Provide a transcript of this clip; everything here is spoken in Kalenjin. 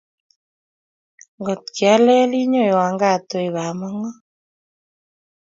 Ngot kialele inyowan kaat wei bamongo